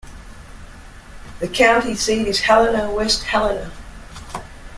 The county seat is Helena-West Helena.